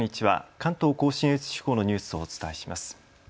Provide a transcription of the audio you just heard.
関東甲信越地方のニュースをお伝えします。